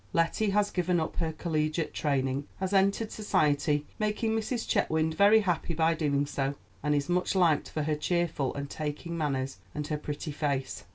Lettie has given up her collegiate training, has entered society, making Mrs. Chetwynd very happy by so doing, and is much liked for her cheerful and taking manners and her pretty face.